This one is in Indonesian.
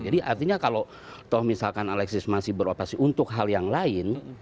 jadi artinya kalau toh misalkan alexis masih beroperasi untuk hal yang lain